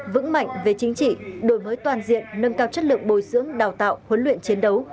vững mạnh về chính trị đổi mới toàn diện nâng cao chất lượng bồi dưỡng đào tạo huấn luyện chiến đấu